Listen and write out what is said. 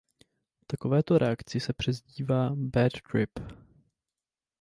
Takovéto reakci se přezdívá "bad trip".